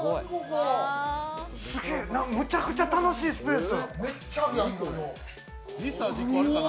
めちゃくちゃ楽しいスペース。